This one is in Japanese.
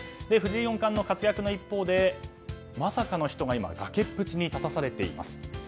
藤井四冠の活躍の一方でまさかの人が今、崖っぷちに立たされています。